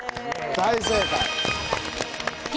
大正解。